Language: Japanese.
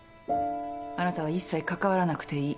あなたは一切関わらなくていい。